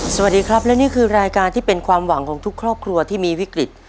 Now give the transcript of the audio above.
สวัสดีครับและนี่คือรายการที่เป็นความหวังของทุกครอบครัวที่มีวิกฤต